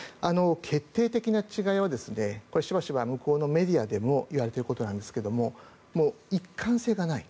決定的な違いはしばしば向こうのメディアでも言われていることなんですが一貫性がない。